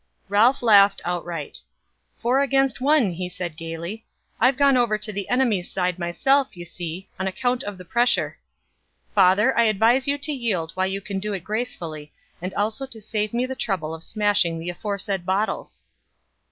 Ralph laughed outright. "Four against one," he said gaily. "I've gone over to the enemy's side myself, you see, on account of the pressure. Father, I advise you to yield while you can do it gracefully, and also to save me the trouble of smashing the aforesaid bottles."